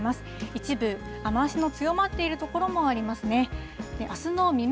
一部、雨足の強まっている所もありますね。